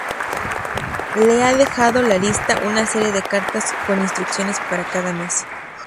Le ha dejado ""La Lista"", una serie de cartas con instrucciones para cada mes.